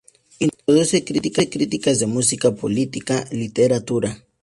Introduce críticas de Música, Política, Literatura.